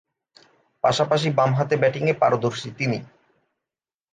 পাশাপাশি বামহাতে ব্যাটিংয়ে পারদর্শী তিনি।